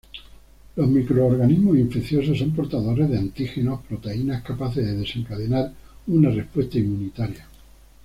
Los microorganismos infecciosos son portadores de antígenos, proteínas capaces de desencadenar una respuesta inmunitaria.